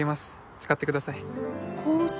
使ってください香水？